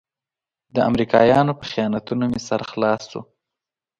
د امریکایانو په خیانتونو مې سر خلاص شو.